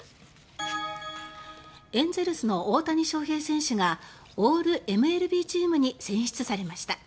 エンゼルスの大谷翔平選手がオールＭＬＢチームに選出されました。